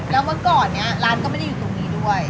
แล้วเมื่อก่อนเนี่ยร้านก็ไม่ได้อยู่ตรงนี้ด้วย